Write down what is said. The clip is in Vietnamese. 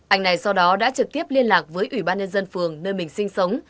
anh này sau đó đã trực tiếp liên lạc với ủy ban nhân dân phường nơi mình sinh sống